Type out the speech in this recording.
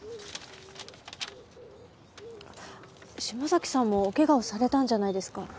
島崎さんもお怪我をされたんじゃないですか？